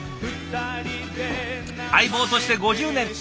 相棒として５０年。